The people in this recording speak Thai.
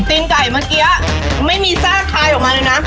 ตีนไก่เมื่อกี้ไม่มีซากคลายออกมาเลยนะ